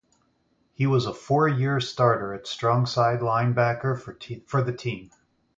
He was a four-year starter at strongside linebacker for the team.